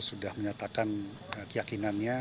sudah menyatakan keyakinannya